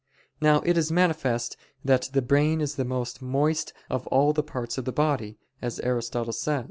Now it is manifest that "the brain is the most moist of all the parts of the body," as Aristotle says [*De Part.